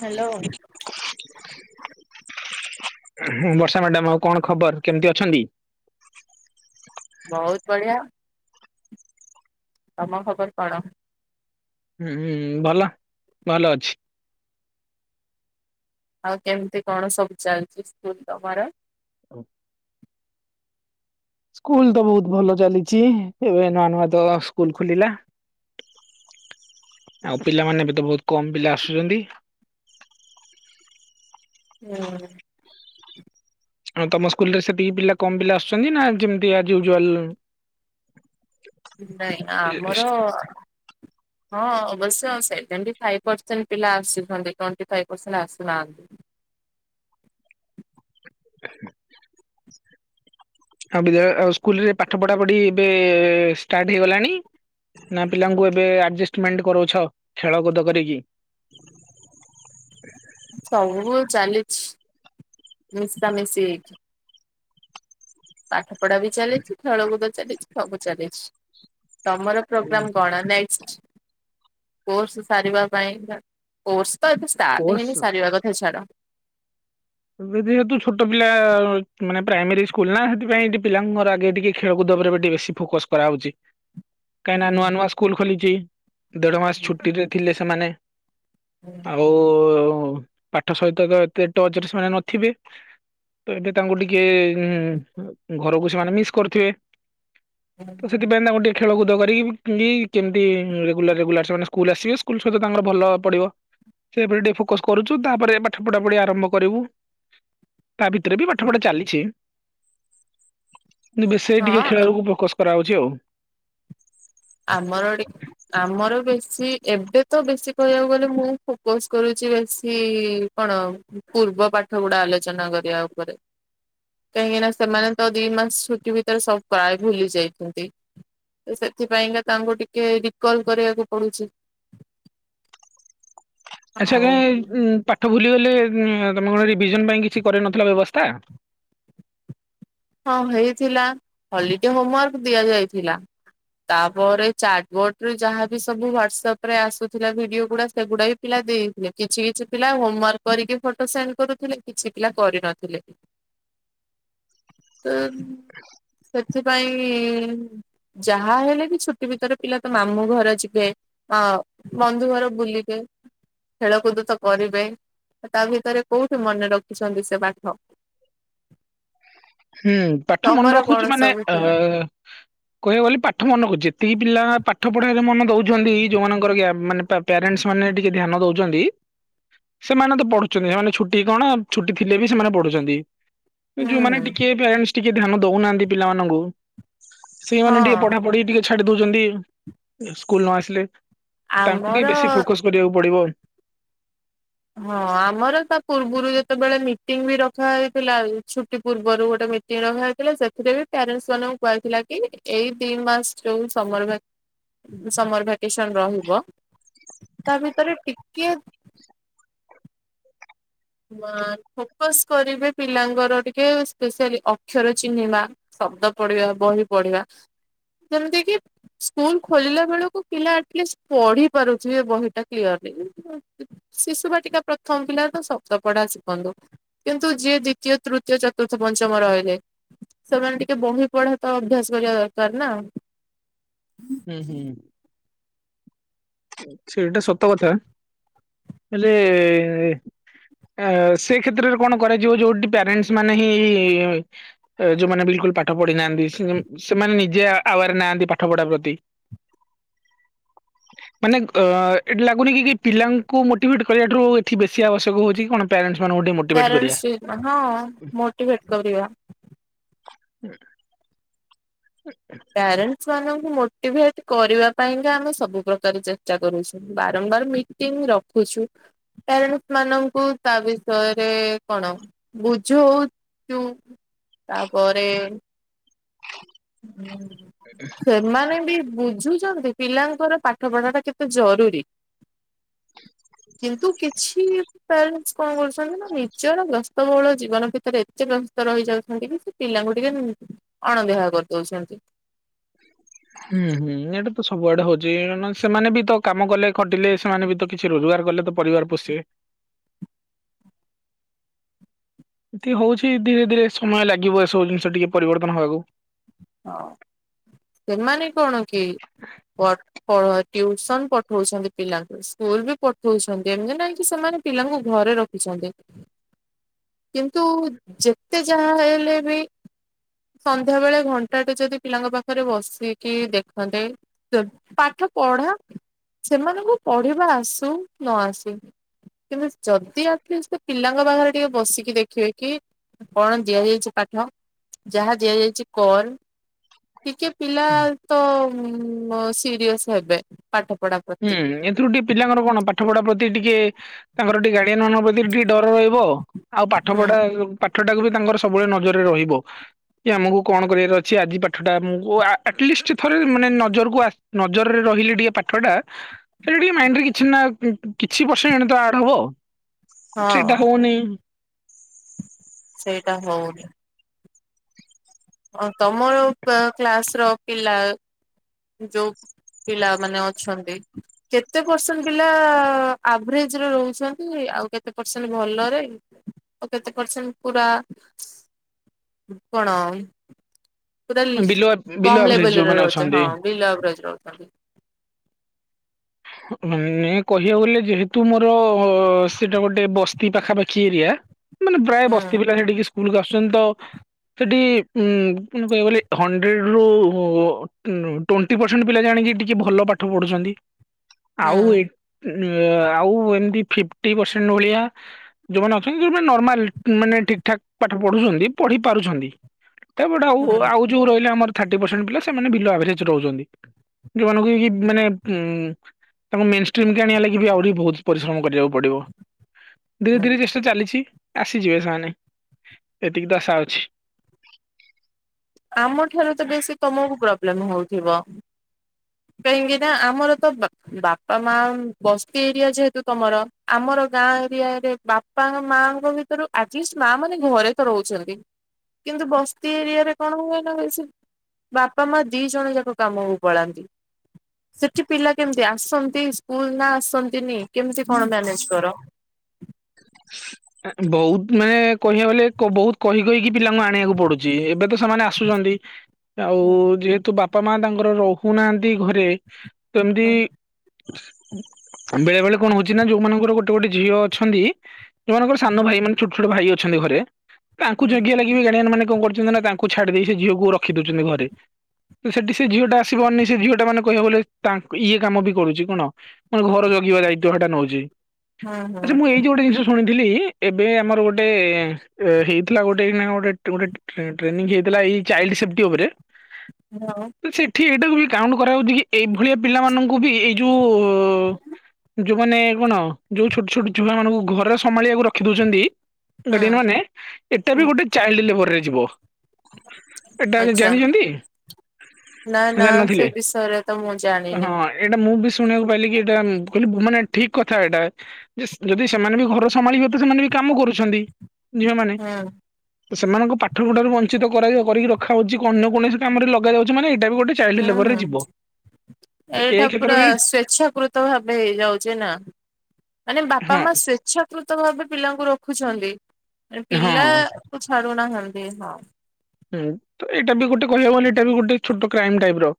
Hello Barsha madam ଆଉ କଣ ଖବର କେମିତି ଅଛନ୍ତି? ବହୁତ ବଢ଼ିଆ ତମ ଖବର କଣ? ହୁଁ ହୁଁ ଭଲ ଭଲ ଅଛି। ଆଉ କେମିତି କଣ ସବୁ ଚାଲିଛି ସ୍କୁଲ ତମର। ଓଉ ସ୍କୁଲ ତ ବହୁତ ଭଲ ଚାଲିଛି ଏବେ ନୂଆ ନୂଆ ତ ସ୍କୁଲ ଖୋଲିଲା। ଆଉ ପିଲାମାନେ ବି ତ ବହୁତ କମ୍ ପିଲା ଆସୁଛନ୍ତି। ହୁଁ ହ ତମ ସ୍କୁଲ ରେ ସେତିକି ପିଲା କମ୍ ପିଲା ଆସୁଛନ୍ତି ନା ଯେମିତି ଆଯୁଆଲ ନାଇଁ ଆମର ହଁ ଅବଶ୍ୟ ସେଭେଣ୍ଟି ଫାଇଭ ପରସେଣ୍ଟ ପିଲା ଆସିଛନ୍ତି ଟୋଣ୍ଟୀ ଫାଇବ୍ ପରସେଣ୍ଟ ଆସୁନାହାନ୍ତି। [inaudible] ଆଉ ବିଦ୍ୟାଳୟ ଆଉ ସ୍କୁଲରେ ପାଠ ପଢ଼ା ପଢ଼ି ଏବେ ଷ୍ଟାର୍ଟ ହେଇଗଲାଣି। ନା ପିଲାଙ୍କୁ ଏବେ ଆଡଜଷ୍ଟମେଣ୍ଟ କରୁଛ ଖେଳକୁଦ କରିକି। ସବୁ ଚାଲିଛି ମିଶା ମିଶି ହେଇକି। ପାଠ ପଢ଼ା ବି ଚାଲିଛି ଖେଳକୁଦ ଚାଲିଛି ସବୁ ଚାଲିଛି। ତମର ପ୍ରୋଗ୍ରାମ କଣ ନେକ୍ସଟ୍? କୋର୍ଷ ସାରିବା ପାଇଁ କୋର୍ଷ ତ ଏବେ ଷ୍ଟାର୍ଟ କୋର୍ସ ହେଇକି ସାରିବା କଥା ଛାଡ଼। ଏବେ ଯେହେତୁ ଛୋଟ ପିଲା ମାନେ ପ୍ରାଇମେରୀ ସ୍କୁଲ ନା ସେଥିପାଇଁ ପିଲାଙ୍କର ଆଗେ ଟିକେ ଖେଳକୁଦ ଉପରେ ବି ଟିକେ ବେଶୀ ଫୋକସ କରାହେଉଛି କାହିଁକିନା ନୂଆ ନୂଆ ସ୍କୁଲ ଖୋଲିଛି ଦେଢ଼ ମାସ ଛୁଟିରେ ଥିଲେ ସେମାନେ ଆଉ ପାଠ ସହିତ ତ ଏତେ ଟଚରେ ମାନେ ନଥିବେ। ତ ଏବେ ତାଙ୍କୁ ଟିକେ ଘରକୁ ସେମାନେ ମିସ୍ କରିଥିବେ ତ ସେଥି ପାଇଁ ତାଙ୍କୁ ଟିକଏ ଖେଳକୁଦ କରିକି କେମିତି ରେଗୁଲାର ରେଗୁଲାର ସେମାନେ ସ୍କୁଲ ଆସିବେ ସ୍କୁଲ ସହିତ ତାଙ୍କର ଭଲ ପଡ଼ିବ ସେ ତାରେ ଟିକେ ଫୋକସ କରୁଛୁ ତାପରେ ପାଠ ପଢ଼ା ପଢ଼ି ଆରମ୍ଭ କରିବୁ। ତା ଭିତରେ ବି ପାଠ ପଢ଼ା ଚାଲିଛି। ବେଶି ଟିକେ ହଁ ଖେଳକୁ ଫୋକସ କରାହଉଛି ଆଉ। ଆମର ଏଠିକି ଆମର ବେଶୀ ଏବେ ତ ବେଶୀ କହିବାକୁ ଗଲେ ମୁଁ ଫୋକସ୍ କରୁଛି ବେଶୀ କଣ ପୂର୍ବ ପାଠ ଗୁଡ଼ା ଆଲୋଚନା କରିବା ଉପରେ। କାହିଁକି ନା ସେମାନେ ତ ଦି ମାସ ଛୁଟି ଭିତରେ ସବୁ ପ୍ରାୟ ଭୁଲି ଯାଇଛନ୍ତି। [unintelligible] ସେଥିପାଇଁକା ତାଙ୍କୁ ଟିକେ ରିକଲ କରିବାକୁ ପଡୁଛି। ଆଚ୍ଛା ଆଉ ଆଜ୍ଞା ଉ ପାଠ ଭୁଲିଗଲେ ତମ ଗ ରିଭିଜନ ପାଇଁ କିଛି କରିନଥିଲା ବ୍ୟବସ୍ଥା। ହଁ ହେଇଥିଲା ହଲିଡେ ହୋମୱାର୍କ ଦିଆଯାଇଥିଲା। ତାପରେ ଚାଟବୋର୍ଡ ରୁ ଯାହାବି ସବୁ ହ୍ୱାଟସଆପ୍ ରେ ଆସୁଥିଲା ଭିଡିଓ ଗୁଡ଼ା ସେଗୁଡ଼ା ବି ପିଲା ଦେଇଥିଲେ କିଛି କିଛି ପିଲା ହୋମୱାର୍କ କରିକି ଫଟୋ ସେଣ୍ଡ କରୁଥିଲେ କିଛି ପିଲା କରିନଥିଲେ। ତ ସେଥିପାଇଁ ଯାହା ହେଲେ ବି ଛୁଟି ଭିତରେ ପିଲା ତ ମାମୁଁ ଘର ଯିବେ। ଅ ବନ୍ଧୁଘର ବୁଲିବେ। ଖେଳକୁଦ ତ କରିବେ ତା ଭିତରେ କୋଉଠି ମନେ ରଖିଛନ୍ତି ସେ ପାଠ। ହୁଁ ପାଠ ତମର କଣ ମନରଖୁଚି ମାନେ ସବୁ ଆ ଥିଲା? କହିବାକୁ ଗଲେ ପାଠ ମନ ରଖୁଚି ଯେତିକି ପିଲା ପାଠ ପଢାରେ ମନ ଦଉଛନ୍ତି ଯୋଉମାନଙ୍କର ଗ୍ୟା ମାନେ ପା ପ୍ୟାରେଣ୍ଟସ୍ ମାନେ ଟିକେ ଧ୍ୟାନ ଦଉଛନ୍ତି ସେମାନେ ତ ପଢୁଛନ୍ତି ସେମାନେ ଛୁଟି କଣ ଛୁଟି ଥିଲେ ବି ସେମାନେ ପଢୁଛନ୍ତି। ହୁଁ ଯୋଉମାନେ ହୁଁ ଟିକେ ପ୍ୟାରେଣ୍ଟସ୍ ଟିକେ ଧ୍ୟାନ ଦଉନାହାନ୍ତି ପିଲାମାନଙ୍କୁ ସେଇମାନେେ ଟିକେ ହଁ ପଢା ପଢି ଟିକେ ଛାଡ଼ି ଦଉଛନ୍ତି ସ୍କୁଲ ନ ଆସିଲେ ତାଙ୍କୁ ଆମର ବିିକ ବେଶୀ ଫୋକସ୍ କରିବାକୁ ପଡ଼ିବ। ହଁ ଆମର ତା ପୂର୍ବରୁ ଯେତେବେଳେ ମିଟିଂ ବି ରଖା ହେଇଥିଲା ଛୁଟି ପୂର୍ବରୁ ଗୋଟେ ମି [unintelligible] ଥିଲା ସେଥିରେ ବି ପ୍ୟାରେଣ୍ଟସ୍ ମାନଙ୍କୁ କୁହାଥିଲା କି ଏଇ ଦି ମାସ ଯୋଉ ସମରଭା ସମରଭାକେସନ ରହିବ ତା ଭିତରେ ଟିକେ ହ ଫୋକସ୍ କରିବେ ପିଲାଙ୍କର ଟିକେ ସ୍ପେସିଆଲି ଅକ୍ଷର ଚିହ୍ନିବା ଶବ୍ଦ ପଢିବା ବହି ପଢିବା ଯେମିତି କିି ସ୍କୁଲ ଖୋଲିଲା ବେଳକୁ ପିଲା ଆଟଲିଷ୍ଟ ପଢି ପାରୁଥିବେ ବହିଟା କ୍ଲିୟରଲି। ଶିଶୁ ବାଟିକା ପ୍ରଥମ ପିଲାର ତ ସବ [unintelligible] କିନ୍ତୁ ଯିଏ ଦ୍ଵିତୀୟ ତୃତୀୟ ଚତୁର୍ଥ ପଞ୍ଚମ ରହିଲେ ସେମାନେ ଟିକେ ବହି ପଢା ତ ଅଭ୍ୟାସ କରିବା ଦରକାର ନା। ହୁଁ ହୁଁ ସେଇଟା ସତ କଥା। ହେଲେ ଏଏ ସେ କ୍ଷେତ୍ରରେ କଣ କରାଯିବ ଯୋଉଠି ପ୍ୟାରେଣ୍ଟସ ମାନେ ହିଁ ଇ ଏ ଯୋଉମାନେ ବିଲକୁଲ ପାଠ ପଢି ନାହାନ୍ତି ସେ ସେମାନେ ନିଜେ ଆୱାର୍ ନାହାନ୍ତି ପାଠ ପଢା ପ୍ରତି। ତି। ମାନେ ଅ ଏଠି ଲାଗୁନି କି କି ପିଲାଙ୍କୁ ମୋଟିଭେଟ କରିବାଠୁ ଏଠି ବେଶୀ ଆବଶ୍ୟକ ହଉଛି କଣ? ପ୍ୟାରେଣ୍ଟସ୍ ମାନଙ୍କୁ ଟିକେ ମୋ ପ୍ୟାରେଣ୍ଟସ୍ ଇ ହଁ ମୋଟିଭେଟ୍ କରିବା। ହୁଁ। [unintelligible] ପ୍ୟାରେଣ୍ଟସ୍ ମାନଙ୍କୁ ମୋଟିଭେଟ କରିବା ପାଇଁକା ଆମେ ସବୁ ପ୍ରକାର ଚେଷ୍ଟା କରୁଛୁ। ବାରମ୍ବାର ମି ମିଟିଁ ରଖୁଛୁ। ପ୍ୟାରେଣ୍ଟସ୍ ମାନଙ୍କୁ ତା ବିଷୟରେ କଣ? ବୁଝଉଚୁ। ତାପରେ ସେମାନେ ବି ବୁଝୁଚନ୍ତି। ପିଲାଙ୍କର ପାଠପଢା ଟା କେତେ ଜରୁରୀ। କିନ୍ତୁ କିଛି ପ୍ୟାରେଣ୍ଟସ୍ କଣ କରୁଛନ୍ତି ନା ନିଜର ବ୍ୟସ୍ତବହୁଳ ଜୀବନ ଭିତରେ ଏତେ ବ୍ୟସ୍ତ ରହି ଯାଉଛନ୍ତି କି ପିଲାଙ୍କୁ ଟିକେ ଅଣଦେଖା କରିଦଉଛନ୍ତି। ହୁଁ ହୁଁ ଏଇଟା ତ ସବୁଆଡେ ହଉଛି କାରଣ ସେମାନେ ବି ତ କାମ କଲେ ଖଟିଲେ ସେମାନେ ବି ତ କିଛି ରୋଜଗାର କଲେ ତ ପରିବାର ପୋଷିବେ। କି ହଉଛି ଧୀରେ ଧୀରେ ସମୟ ଲାଗିବ ଏସବୁ ଜିନିଷ ଟିକେ ପରିବର୍ତ୍ତନ ହବାକୁ। ହଁ ସେମାନେ କଣ କି ବ [unintelligible] ଟିଉସନ ପଠଉଛନ୍ତି ପିଲାଙ୍କୁ, ସ୍କୁଲ ବି ପଠଉଛନ୍ତି, ଏମତି ନାଇଁ କି ସେମାନେ ପିଲାଙ୍କୁ ଘରେ ରଖ ଛନ୍ତି। କିନ୍ତୁ ଯେତେ ଯାହା ହେଇଲେ ବି ସନ୍ଧ୍ୟାବେଳେ ଘ ଘଣ୍ଟା ଟେ ଯଦି ପିଲାଙ୍କ ପାଖରେ ବସିକି ଦେଖନ୍ତେ ପାଠ ପଢାଅ ସେମାନଙ୍କୁ ପଢିବା ଆସୁ ନ ଆସୁ। କିନ୍ତୁ ଯଦି ଆଟଲିଷ୍ଟ୍ ପିଲାଙ୍କ ପାଖରେ ଟିକେ ବସିକି ଦେଖିବେ କି କଣ ଦିଆଯାଇଛି ପାଠ? ଯାହା ଦିଆଯାଇଛି କର। ଟିକେ ପିଲା ତ ଉଁ ସିରିଅସ ହେବେ ପାଠ ପଢା ପ୍ରତି। ତ୍ରୁଟି ପିଲାଙ୍କର କଣ ପାଠପଢା ପ୍ରତି ଟିକେ ତାଙ୍କର ଟିକେ ଗାଡିଆନ ମାନଙ୍କ ପ୍ରତି ଟିକେ ଡର ରହିବ। ଆଉ ପାଠ ହୁଁ ପଢା ପାଠଟାକୁ ବି ତାଙ୍କର ସବୁବେଳେ ନଜରରେ ରହିବ। କି ଆମକୁ କଣ କରିବାର ଅଛି ଆଜି ପାଠଟା ଆମକୁ ଆଟଲିଷ୍ଟ ଥରେ ମାନେ ନଜରକୁ ଆସି ନଜରରେ ରହିଲେ ଟିକେ ପାଠଟା ସେଇଟା ଟିକେ ମାଇଣ୍ଡ ରେ କିଛି ନା କିଛି ପରସେଣ୍ଟ ତ ଆଡ ହବ। ହଁ। ସେଇଟା ହଉନି। ସେଇଟା ହଉନି। ଅ ତମରପା କ୍ଲାସ ର ପିଲା ଯୋଉ ପିଲାମାନେ ଅଛନ୍ତି। କେତେ ପରସେଣ୍ଟ ପିଲା ଆଭରେଜ ରେ ରହୁଛନ୍ତି ଆଉ କେତେ ପରସେଣ୍ଟ ଭଲରେ। ଓ କେତେ ପରସେଣ୍ଟ ପୁରା କଣ ପୁରା ଇସ୍ ବିଲୋ ବିଲୋ କମ୍ ଆଭରେଜ ଲେବଲ୍ ରେ ଯୋଉମାନେ ରହୁଛନ୍ତି ଅଛନ୍ତି ହଁ। ବିଲୋ ଆଭରେଜ ରହୁଥାନ୍ତି। ଉଁ ମାନେ କହିବାକୁ ଗଲେ ଯେହେତୁ ମୋର ଅ ସେଇଟା ଗୋଟେ ବସ୍ତି ପାଖାପାଖି ଏରିଆ। ମାନେ ପ୍ରାୟ ହୁଁ ବସ୍ତି ପିଲା ସେଠିକି ସ୍କୁଲକୁ ଆସୁଛନ୍ତି ତ। ସେଠି ଉ ମାନେ କହିବାକୁ ଗଲେ ହଣ୍ଡ୍ରେଡ ରୁ ଟୋଣ୍ଟି ପରସେଣ୍ଟ ପିଲା ଜାଣିକି ଟିକେ ଭଲ ପାଠ ପଢୁଛନ୍ତି। ହୁଁ ଆଉ ଆଇ ଉଁ ଆଉ ଏମତି ଫିଫ୍ଟି ପରସେଣ୍ଟ ଓଳିଆ ଯୋଉମାନେ ଅଛନ୍ତି ଯୋଉମାନେ ନର୍ମାଲ ମାନେ ଠିକ ଠାକ ପାଠ ପଢୁଛନ୍ତି ପଢି ପାରୁଛନ୍ତି। ତାପଟେ ଆଉ ହୁଁ ଆଉ ଯୋଉ ରହିଲା ଆମର ଥାର୍ଟି ପରସେଣ୍ଟ ପିଲା ସେମାନେ ବିଲୋ ଆଭରେଜ୍ ରହୁଛନ୍ତି। ଯେଉଁମାନଙ୍କୁ କି ମାନେ ଉଁ ତାଙ୍କୁ ମେନ୍ ଷ୍ଟ୍ରିମ କି ଆଣିବା ଲାଗି ବି ଆହୁରି ବୋହୁତ ପରିଶ୍ରମ କରିବାକୁ ପଡିବ ଧୀରେ ଧୀରେ ହୁଁ ଚେଷ୍ଟା ଚାଲିଛି। ଆସିଯିବେ ସେମାନେ ଏତିକି ତ ଆଶା ଅଛି। ଆମଠାରୁ ତ ବେଶୀ ତମକୁ ପ୍ରୋବ୍ଲେମ ହୋଉଥିବ। କାହିଁକି ନା ଆମର ତ ବାପା, ମା ବସ୍ତି ଏରିଆ ଯେହେତୁ ତମର ଆମର ଗାଁ ଏରିଆରେ ବା ପା ମାଙ୍କ ଭିତରୁ ଆଟଲିଷ୍ଟ ମା ମାନେ ଘରେ ତ ରହୁଚନ୍ତି, କିନ୍ତୁ ବସ୍ତି ଏରିଆରେ କଣ ହୁଏ ନା ବେଶୀ ବାପା, ମା ଦି ଜଣ ଯାକ କାମକୁ ପଳାନ୍ତି। ସେଠି ପିଲା କେମିତି ଆସନ୍ତି ସ୍କୁଲ ନା ଆସନ୍ତିନି କେମିତି କଣ ମ୍ୟାନେଜ କର। ବୋହୁତ ମାନେ କହିବାକୁ ଗଲେ କୋ ବୋହୁତ କହି କହିକି ପିଲାଙ୍କୁ ଆ ଣିବାକୁ ପଡୁଚି ଏବେ ତ ସେମାନେ ଆସୁଚନ୍ତି ଆଉ ହୁଁ ଯେହେତୁ ବା ପା, ମା ତାଙ୍କର ରହୁନାହାନ୍ତି ଘରେ ତ ଏମିତି ହୁଁ ବେଳେ ବେଳେ କଣ ହୋଉଚି ନା ଯୋଉମାନଙ୍କର ଗୋଟେ ଗୋଟେ ଝିଅ ଅଛନ୍ତି। ଯୋଉ ମାନଙ୍କର ସାନ ଭାଇ ମାନେ ଛୋଟ ଛୋଟ ଭାଇ ଅଛନ୍ତି ଘରେ ତାଙ୍କୁ ହୁଁ ଜଗିବା ଲାଗି ଆଜି ବି ଗାଡିଆନ ମାନେ କଣ କରୁଚନ୍ତି ନା ତାଙ୍କୁ ଛାଡି ଦେଇ ସେ ଝିଅକୁ ରଖି ଦୋଉଚନ୍ତି ଘରେ। ତ ସେଠି ସେ ଝିଅ ଟା ଆସିପାରୁନି ସେ ଝିଅଟା ମାନେ କହିବାକୁ ଗଲେ ତା ଇଏ କାମ ବି କରୁଚି କନ ମାନେ ଘର ଜଗିବା ଦାୟିତ୍ୱ ହେଟା ନୋଉଚି। ହୁଁ ଆଚ୍ଛା ହୁଁ ମୁଁ ଏଇଠି ଗୋଟେ ଜିନିଷ ମୁଁ ଶୁଣିଥିଲି ଏବେ ଆମର ଗୋଟେ ଏ ହେଇଥିଲା ଗୋଟେ ଏଇନା ଗୋଟେ ଟୁ ଗୋଟେ ଟ୍ରେ-ଟ୍ରେ-ଟ୍ରେନିଂ ହେଇଥିଲା ଏଇ ଚାଇଲ୍ଡ ସେଫ୍ଟି ଓପରେ। ହାଲୋ। [inaudible] ସେଠି ଏଇଟାକୁ ବି କାଉଣ୍ଟ କରାହୋଉଚି କି ଏଇଭଳିଆ ପିଲାମାନଙ୍କୁ ବି ଏଇ ଯୋଉ ଯୋଉମାନେ କଣ ଯୋଉ ଛୋଟ ଛୋଟ ଛୁଆ ମାନଙ୍କୁ ଘରେ ସମ୍ଭାଳିବାକୁ ରଖି ଦୋଉଚନ୍ତି। ହୁଁ ଗାଡିଆନ ମାନେ ଏଟା ହୁଁ ବି ଗୋଟେ ଚାଇଲ୍ଡ ଲେବରରେ ଯିବ। ଏଟା ଆଗେ ଜାଣିଚନ୍ତି? ନାଁ ନାଁ ସେ ବିଷୟରେ ତ ମୁଁ ଜାଣି ହଁ ଏଇଟା ମୁଁ ବି ଶୁଣିବାକୁ ପାଇଲିି କି ଏଟା କହିଲି ମାନେ ଠିକ୍ କଥା ଏଟା ଯେ ଯଦି ସେମାନେ ବି ଘର ସମ୍ଭାଳିବ ତ ସେମାନେ ବି କାମ କରୁଛନ୍ତି ଝିଅମାନେ। ହୁଁ ସେମାନଙ୍କୁ ପାଠ ପଢାରୁ ବଂଞ୍ଚିତ କରାଯା କରିକି ରଖା ହୋଉଚି ଅନ୍ୟ କୌଣସି କାମରେ ଲଗା ଯାଉଚ ମାନେ ଏଟା ବି ଗୋଟେ ଚାଇଲ୍ଡ ହୁଁ ଲେବରରେ ହୁଁ ଯିବ। ତ ଏ ଏଇଟା ପୁରା କ୍ଷେତ୍ରରେ ସ୍ଵେଚ୍ଛାକୃତ ଭାବେ ହେଇଯାଉଚି ନା। ମାନେ ବାପା ମା ହଁ ସ୍ୱେ ଚ୍ଛାକୃତ ଭାବେ ପିଲାଙ୍କୁ ରଖୁଛନ୍ତି ପିଲା ହଁ କୁ ଛାଡୁନାହାନ୍ତି ହଁ। ହୁଁ ତ ଏଇଟା ବି ଗୋଟେ କହିବାକୁ ଗଲେ ଏଟା ବି ଗୋଟେ ଛୋଟ କ୍ରାଇମ୍ ଟାଇପର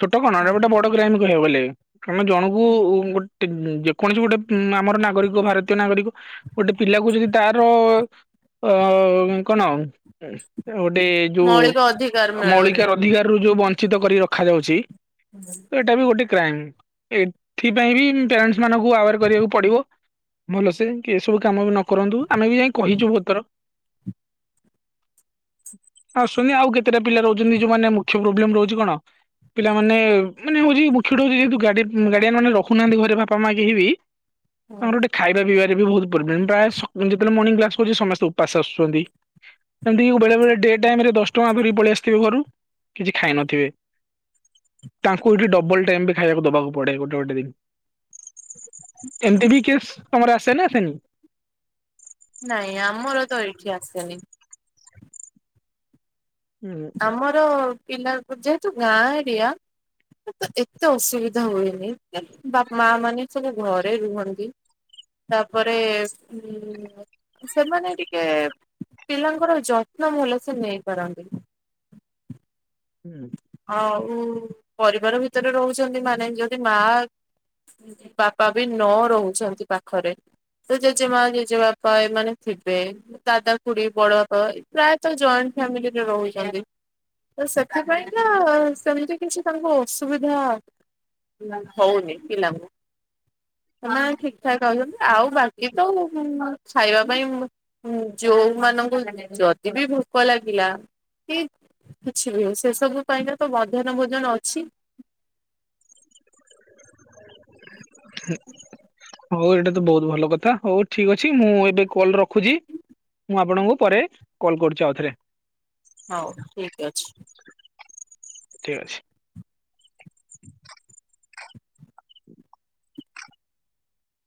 ଛୋଟ କଣ ଏଟା ଗୋଟେ ବଡ କ୍ରାଇମ୍ କହିବାକୁ ଗଲେ। ଆମେ ଜଣକୁ ଗୋଟେ ଯେକୌଣସି ଗୋଟେ ଉଁ ଆମର ନାଗରିକ ଭାରତୀୟ ନାଗରିକ ଗୋଟେ ପିଲାକୁ ଯଦି ତାର ଅ କଣ ଉଁହୁଁ ଗୋଟେ ଯୋଉ ମୌଳିକ ଅଧିକାର ମିଳୁନି। ମୌଳିକାର ଅଧିକାରରୁ ଯୋଉ ବଞ୍ଚିତ କରି ରଖାଯାଉଚି। [inaudible] ଏଟା ବି ଗୋଟେ କ୍ରାଇମ୍ ଏଥିପାଇଁ ବି ପ୍ୟାରେଣ୍ଟସ ମାନଙ୍କୁ ଆୱାର କରିବାକୁ ପଡିବ। ଭଲସେ କି ଏସବୁ କାମ ବି ନକରନ୍ତୁ। ଆମେ ବି ଯାଇ କହିଚୁ ବୋହୁତ ଥର। ଆସୁନି ଆଉ କେତେଟା ପିଲା ରହୁଚନ୍ତି ଯୋଉମାନେ ମୁଖ୍ୟ ପ୍ରୋବ୍ଲେମ ରହୁଚି କଣ ପିଲାମାନେ ମାନେ ହୋଉଚି ମୁଖ୍ୟଟି ହୋଉଚି ଯେହେତୁ ଗାଡିଆନ୍ ଗାଡିଆନ୍ ମାନେ ରହୁନାହାନ୍ତି ଘରେ ବାପା ମା କେହି ବି ତାଙ୍କର ହୁଁ ଗୋଟେ ଖାଇ ବା ପିଇବାରେ ବୋହୁତ ପ୍ରୋରବ୍ଲେମ। ପ୍ରାୟ ସ ଯେତେବେଳେ ମର୍ଣ୍ଣିଂ କ୍ଲାସ କରୁଚି ସମସ୍ତେ ଉପାସ ଆସୁଚନ୍ତି ଏମିତି ବେଳେ ଡେ ଟାଇମରେ ଦଶ ଟଙ୍କା ଧିରିକି ପଳେଇ ଆସିଥିବେ ଘରୁ କିଛି ଖାଇ ନଥିବେ। ତାଙ୍କୁ ଏଇଠି ଡବଲ ଟାଇମ୍ ବି ଖାଇକୁ ଦବାକୁ ପଡେ ଗୋଟେ ଗୋଟେ ଦିନ୍। ଏମିତି ବି କେସ୍ ତମର ଆସେ ନା ଆସନି? ନାଇଁ ଆମର ତ ଏଠି ଆସେନି। ଆମର ପିଲାକୁ ଯେହେତୁ ଗାଁ ଏରିଆ ତ ଏତେ ଅସୁବିଧା ହୁଏନି। [unintelligible] ବାପା, ମା ମାନେ ସବୁ ଘରେ ରୁହନ୍ତି। ତାପରେ ଉଁ ସେମାନେ ଟିକେ ପିଲାଙ୍କର ଯତ୍ନ ଭଲସେ ନେଇପାରନ୍ତି। ହୁଁ ଆଉ ପରିବାର ଭିତରେ ରହୁଛନ୍ତି ମାନେ ଯଦି ମା ବାପା ବି ନ ରହୁଛନ୍ତି ପାଖରେ ତ ଜେଜେମା ଜେଜେ ବାପା ଏମାନେ ଥିବେ। ଦାଦା ଖୁଡି ବଡ ବାପା ପ୍ରାୟତଃ ଜଏଣ୍ଟ ଫ୍ୟାମିଲିରେ ରହୁଛନ୍ତି। ତ ସେଥିପାଇଁ ନା ସେମିତି କିଛି ତାଙ୍କୁ ଅସୁବିଧା ହଉନି ପିଲାଙ୍କୁ। ନା ଠିକ ଠାକ ଆଉଛନ୍ତି। ଆଉ ବାକି ତ ଖାଇବା ପାଇଁ ଯୋଉମାନଙ୍କୁ ଯଦି ବି ଭୋକ ଲାଗିଲା। କିଛି ନୁହଁ ସେ ସବୁ ପାଇଁକା ତ ମଧ୍ୟାହ୍ନ ଭୋଜନ ଅଛି। ହଉ ଏଇଟା ତ ବହୁତ ଭଲ କଥା ହଉ ଠିକ ଅଛି ମୁଁ ଏବେ କଲ ରଖୁଛି। ମୁଁ ଆପଣଙ୍କୁ ପରେ କଲ୍ କରୁଛି ଆଉଥରେ। ହଉ ଠିକ୍ ଅଛି। ଠିକ ଅଛି।